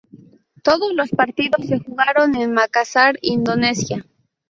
Todos los partidos se jugaron en Makassar, Indonesia.